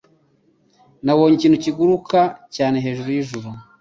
Nabonye ikintu kiguruka cyane hejuru yijuru.